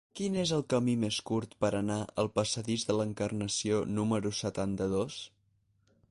Quin és el camí més curt per anar al passadís de l'Encarnació número setanta-dos?